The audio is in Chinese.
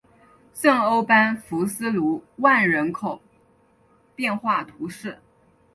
圣欧班福斯卢万人口变化图示